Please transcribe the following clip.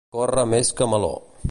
Córrer més que Meló.